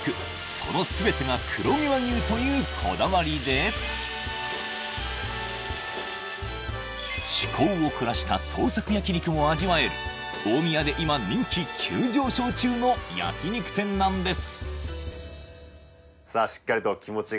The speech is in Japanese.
その全てが黒毛和牛というこだわりで趣向を凝らした創作焼肉も味わえる大宮で今人気急上昇中の焼肉店なんです